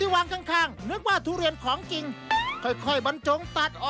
ว้าวสุดยอด